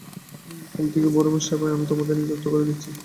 কাল থেকে বড়োবউয়ের সেবায় আমি তোমাদের নিযুক্ত করে দিচ্ছি।